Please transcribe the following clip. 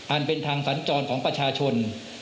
เป็นทางสัญจรของประชาชน